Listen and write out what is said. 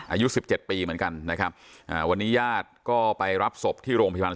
อายุสิบเจ็ดปีเหมือนกันนะครับอ่าวันนี้ญาติก็ไปรับศพที่โรงพยาบาล